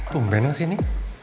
tumben sih ini